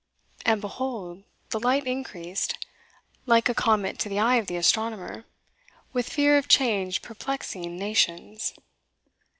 And behold, the light increased, like a comet to the eye of the astronomer, "with fear of change perplexing nations."